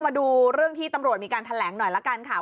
มาดูเรื่องที่ตำรวจมีการแถลงหน่อยละกันค่ะ